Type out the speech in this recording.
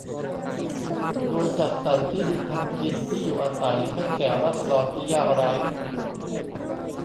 โดยจัดสรรที่ดินทำกินที่อยู่อาศัยให้แก่ราษฎรที่ยากไร้